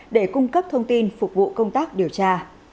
để cung cấp thông tin phục vụ công tác điều tra